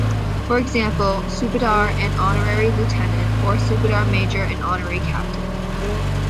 For example, "subedar and honorary lieutenant" or "subedar major and honorary captain".